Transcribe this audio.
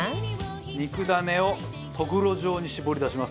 肉ダネをとぐろ状に絞り出します。